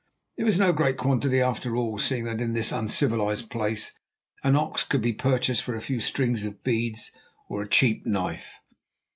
It was no great quantity, after all, seeing that in this uncivilised place an ox could be purchased for a few strings of beads or a cheap knife.